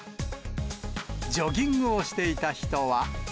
ジョギングをしていた人は。